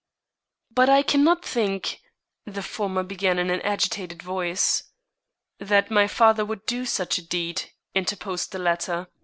"But I cannot think " the former began in an agitated voice. "That my father would do such a deed," interposed the latter.